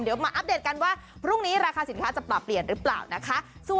เดี๋ยวมาอัปเดตกันว่าพรุ่งนี้ราคาสินค้าจะปรับเปลี่ยนหรือเปล่านะคะ